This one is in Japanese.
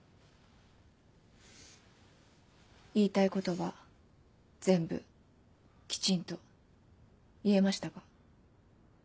言いたいことは全部きちんと言えましたか？